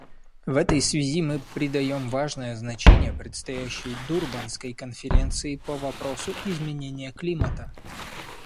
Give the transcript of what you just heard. В этой связи мы придаем важное значение предстоящей Дурбанской конференции по вопросу изменения климата.